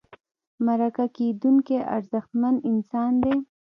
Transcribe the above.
مرکه کېدونکی ارزښتمن انسان دی.